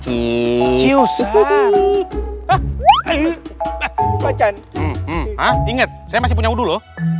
inget saya masih punya dulu